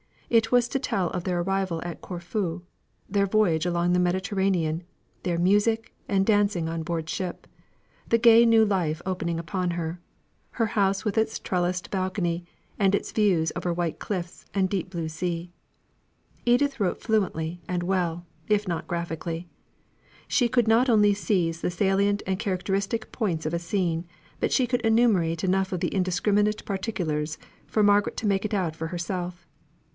It was to tell of their arrival at Corfu; their voyage along the Mediterranean their music, and dancing on board ship; the gay new life opening upon her; her house with its trellised balcony, and its views over white cliffs and deep blue sea. Edith wrote fluently and well, if not graphically. She could not only seize the salient and characteristic points of a scene, but she could enumerate enough of indiscriminate particular for Margaret to make it out for herself.